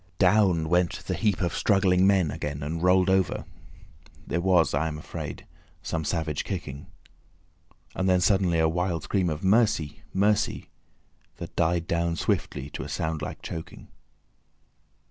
Down went the heap of struggling men again and rolled over. There was, I am afraid, some savage kicking. Then suddenly a wild scream of "Mercy! Mercy!" that died down swiftly to a sound like choking.